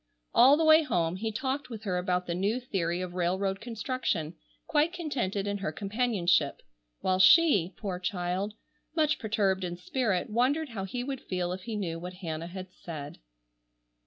All the way home he talked with her about the new theory of railroad construction, quite contented in her companionship, while she, poor child, much perturbed in spirit, wondered how he would feel if he knew what Hannah had said.